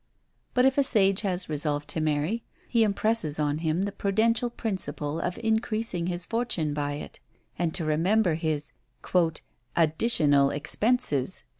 But if a sage has resolved to marry, he impresses on him the prudential principle of increasing his fortune by it, and to remember his "additional expenses!"